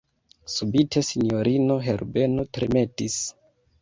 Subite sinjorino Herbeno tremetis.